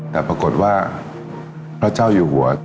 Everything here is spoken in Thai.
แต่ตอนเด็กก็รู้ว่าคนนี้คือพระเจ้าอยู่บัวของเรา